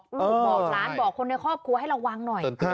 บอกหลานบอกคนในครอบครัวให้ระวังหน่อย